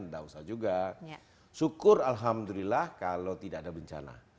dan juga syukur alhamdulillah kalau tidak ada bencana